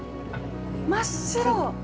真っ白。